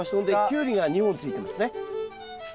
キュウリも２本ついてます。